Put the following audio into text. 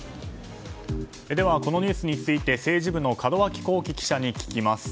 このニュースについて政治部の門脇功樹記者に聞きます。